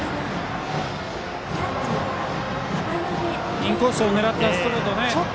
インコースを狙ったストレート